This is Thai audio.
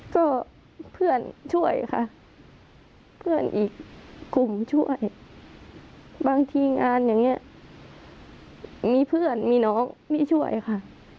ก็เพื่อนช่วยค่ะเพื่อนอีกกลุ่มช่วยบางทีงานอย่างนี้มีเพื่อนมีน้องมีช่วยค่ะ